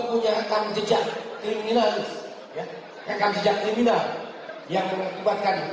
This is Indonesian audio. punya rekan jejak kriminal rekan jejak kriminal yang diperbukakan